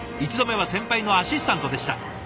１度目は先輩のアシスタントでした。